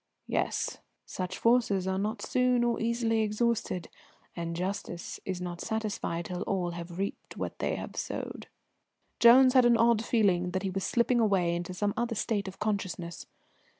"Yes. Such forces are not soon or easily exhausted, and justice is not satisfied till all have reaped what they sowed." Jones had an odd feeling that he was slipping away into some other state of consciousness.